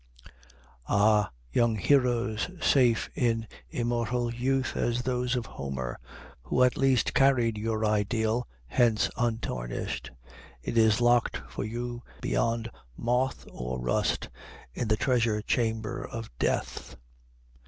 Ah, young heroes, safe in immortal youth as those of Homer, you at least carried your ideal hence untarnished! It is locked for you beyond moth or rust in the treasure chamber of Death.